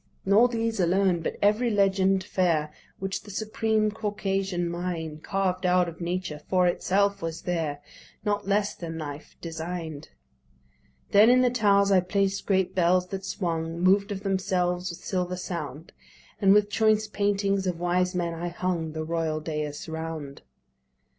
Nor these alone: but every legend fair Which the supreme Caucasian mind Carved out of Nature for itself was there' Not less than life design'd. Then in the towers I placed great bells that swung, Moved of themselves, with silver sound; And with choice paintings of wise men I hung The royal dais round.